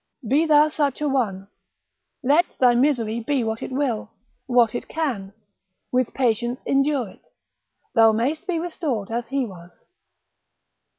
Be thou such a one; let thy misery be what it will, what it can, with patience endure it; thou mayst be restored as he was.